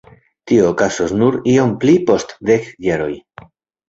Tio okazos nur iom pli post dek jaroj.